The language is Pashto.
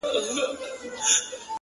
ز ماپر حا ل باندي ژړا مه كوه،